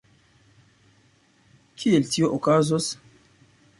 Kiel tio okazos?